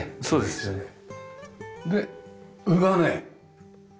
そうですね。